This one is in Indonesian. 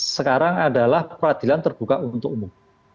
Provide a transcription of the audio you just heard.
sekarang adalah peradilan terbuka untuk umum